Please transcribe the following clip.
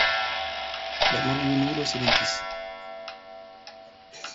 La maljunulo silentis.